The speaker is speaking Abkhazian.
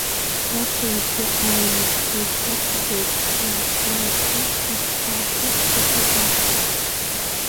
Бадра ибжьы ааҩуеит, уи шгац игоит, иаасгәаларшәо, исхьааха дахьыҟам.